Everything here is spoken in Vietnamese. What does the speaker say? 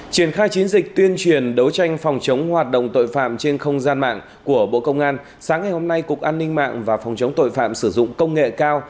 triển khai chiến dịch tuyên truyền đấu tranh phòng chống hoạt động tội phạm trên không gian mạng của bộ công an sáng ngày hôm nay cục an ninh mạng và phòng chống tội phạm sử dụng công nghệ cao